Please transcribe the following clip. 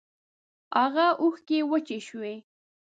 هاغه اوښکی وچې شوې